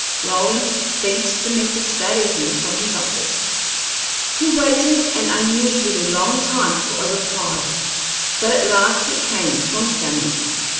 Roland sent the message that evening from his office. He waited an unusually long time for a reply, but at last it came, from Sammy.